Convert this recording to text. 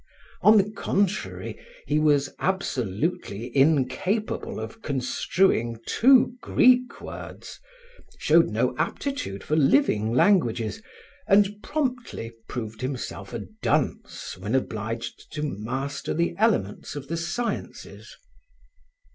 On the contrary, he was absolutely incapable of construing two Greek words, showed no aptitude for living languages and promptly proved himself a dunce when obliged to master the elements of the sciences.